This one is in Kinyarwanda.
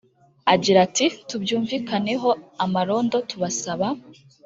Agira ati “Tubyumvikaneho amarondo tubasaba